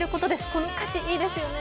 この歌詞、いいですよね。